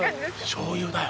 しょうゆだよ！